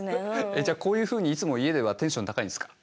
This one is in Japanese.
じゃあこういうふうにいつも家ではテンション高いんですか？